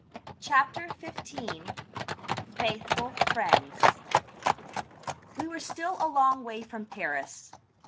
CHAPTER XV FAITHFUL FRIENDS We were still a long way from Paris.